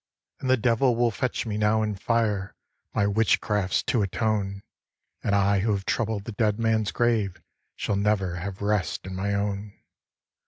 'And the Devil will fetch me now in fire, My witchcrafts to atone; And I who have troubled the dead man's grave Shall never have rest in my own.